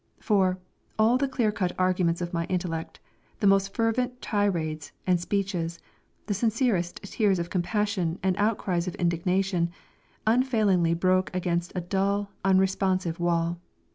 For, all the clear cut arguments of my intellect, the most fervent tirades and speeches, the sincerest tears of compassion and outcries of indignation unfailingly broke against a dull, unresponsive wall.